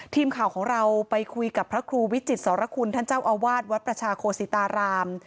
ทีมข่าวของเราไปคุยกับพระครูวิจิตรคุณท่านเจ้าอาวาสวัดประชาโคสิตาราม